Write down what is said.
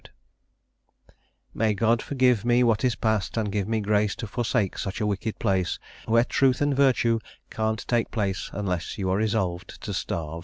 " "May God forgive me what is past, and give me grace to forsake such a wicked place, where truth and virtue can't take place unless you are resolved to starve."